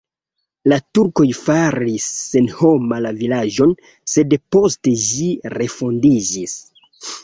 La turkoj faris senhoma la vilaĝon, sed poste ĝi refondiĝis.